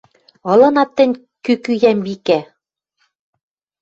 Ылынат тӹнь кӱкӱ-йӓмбикӓ